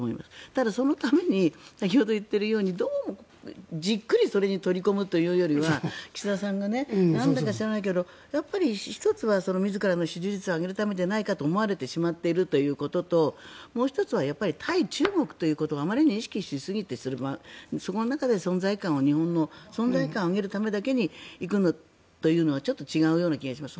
ただ、そのために先ほどから言っているようにどうも、じっくりそれに取り組むというよりは岸田さんがなんだか知らないけど１つは自らの支持率を上げるためじゃないかと思われてしまっているということともう１つは対中国ということをあまりに意識しすぎてその中で日本の存在感を上げるためだけに行くのは違うと思います。